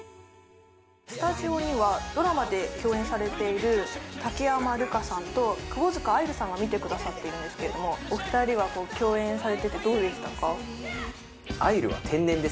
スタジオにはドラマで共演されている武山瑠香さんと窪塚愛流さんが見てくださっているんですけどもお二人はへえへえ